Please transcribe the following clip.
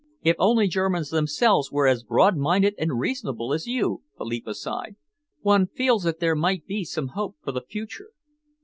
"If only Germans themselves were as broad minded and reasonable as you," Philippa sighed, "one feels that there might be some hope for the future!"